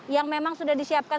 yang memang sudah disiapkan